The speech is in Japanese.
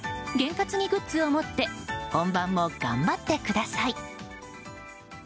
験担ぎグッズを持って本番も頑張ってください。